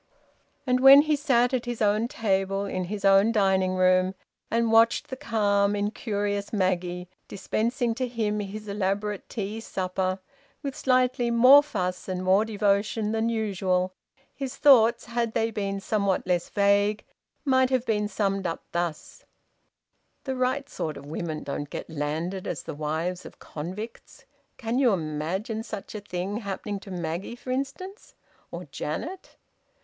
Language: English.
And when he sat at his own table, in his own dining room, and watched the calm incurious Maggie dispensing to him his elaborate tea supper with slightly more fuss and more devotion than usual, his thoughts, had they been somewhat less vague, might have been summed up thus: "The right sort of women don't get landed as the wives of convicts. Can you imagine such a thing happening to Maggie, for instance? Or Janet?"